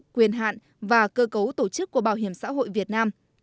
quyền hạn và cơ cấu tổ chức của bảo hiểm xã hội việt nam